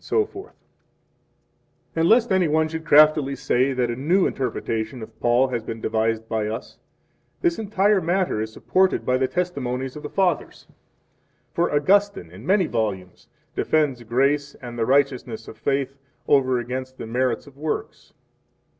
12 And lest any one should craftily say that a new interpretation of Paul has been devised by us, this entire matter is supported by the testimonies of the Fathers. For 13 Augustine, in many volumes, defends grace and the righteousness of faith, over against the merits of works.